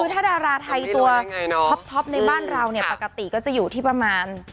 ถ้าดาราไทยตัวท็อปในบ้านเราเนี่ยปกติก็จะอยู่ที่ประมาณ